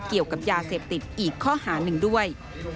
เกี่ยวกับยาเสพติดอีกข้อหาหนึ่งด้วย